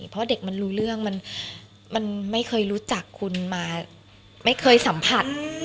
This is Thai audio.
เพราะเด็กมันรู้เรื่องมันไม่เคยรู้จักคุณมาไม่เคยสัมผัส